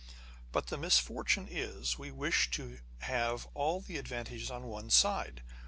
But the misfortune is, we wish to have all the advantages on one side.